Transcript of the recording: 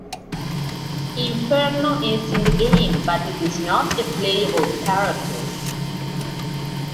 Inferno is in the game, but it is not a playable character.